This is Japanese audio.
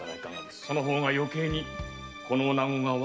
その方が余計にこの女子が笑うのでは？